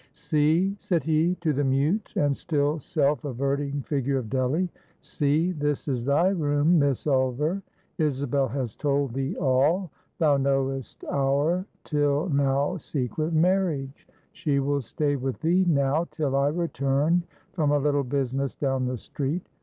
"See," said he, to the mute and still self averting figure of Delly; "see, this is thy room, Miss Ulver; Isabel has told thee all; thou know'st our till now secret marriage; she will stay with thee now, till I return from a little business down the street.